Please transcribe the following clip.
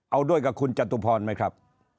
เอาด้วยกับคุณจตุพรไหมครับ